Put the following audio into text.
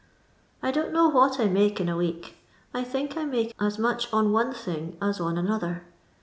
"I den*t know what I make in a week. I ikSak I make as much on one thing as on another.